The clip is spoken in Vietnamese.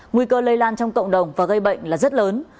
nguy cơ lây lan trong cộng đồng và gây bệnh là rất lớn